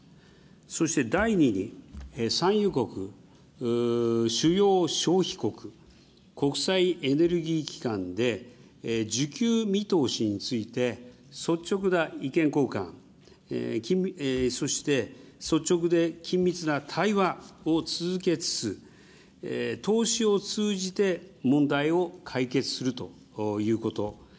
そして第２に、産油国、主要消費国、国際エネルギー機関で需給見通しについて率直な意見交換、そして、率直で緊密な対話を続けつつ、投資を通じて問題を解決するということ。